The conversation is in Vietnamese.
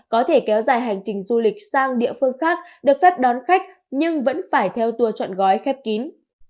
có thể kéo dài hành trình du lịch sang địa phương khác được phép đón khách nhưng vẫn phải theo tour chọn gói khép kín